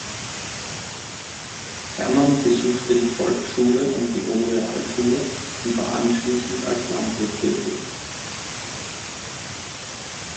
Herrmann besuchte die Volksschule und die Oberrealschule und war anschließend als Landwirt tätig.